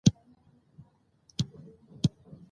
د ناپوهانو مقابله په خاموشي سره کوئ!